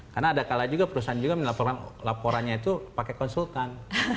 karena ada kalanya perusahaan juga laporannya itu pakai konsultan